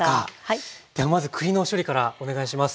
ではまず栗の処理からお願いします。